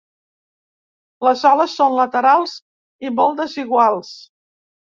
Les ales són laterals i mol desiguals.